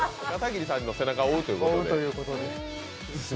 片桐さんの背中を追うということで。